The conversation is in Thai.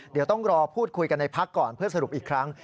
เดี๋ยวต้องรอพูดคุยกันในพักก่อนเพื่อสรุปอีกครั้ง